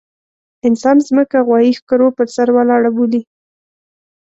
انسان ځمکه غوايي ښکرو پر سر ولاړه بولي.